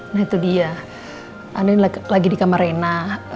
nah itu dia anda lagi di kamar rena